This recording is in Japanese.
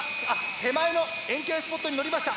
手前の円形スポットにのりました！